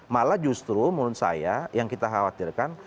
malah justru menurut saya yang kita khawatirkan